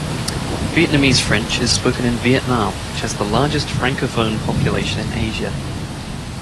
Vietnamese French is spoken in Vietnam, which has the largest Francophone population in Asia.